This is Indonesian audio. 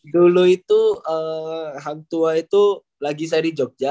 dulu itu hang tua itu lagi saya di jogja